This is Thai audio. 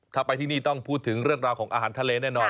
ถ้าไปที่นี่ต้องพูดถึงเรื่องราวของอาหารทะเลแน่นอน